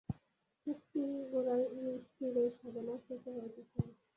শক্তির গোড়ায় নিষ্ঠুরের সাধনা, শেষে হয়তো ক্ষমা।